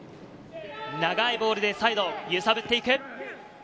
長いボールでサイドを揺さぶっていく。